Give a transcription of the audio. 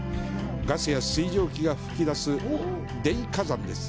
ガスや水蒸気が噴き出す泥火山です。